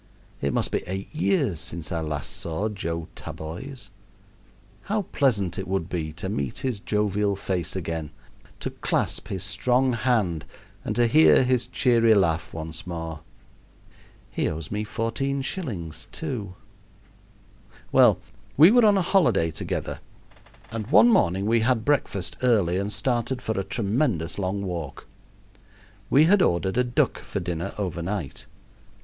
It must be eight years since I last saw Joseph Taboys. How pleasant it would be to meet his jovial face again, to clasp his strong hand, and to hear his cheery laugh once more! He owes me 14 shillings, too. Well, we were on a holiday together, and one morning we had breakfast early and started for a tremendous long walk. We had ordered a duck for dinner over night.